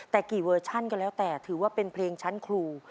แต่กี่เวอร์ชันก็แล้วแต่ถือว่าเป็นเพลงชั้นครู